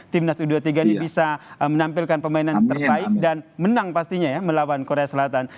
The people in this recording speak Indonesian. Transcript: timnas u dua puluh tiga ini bisa menampilkan pemain yang terbaik dan menang pastinya ya melawan korea selatan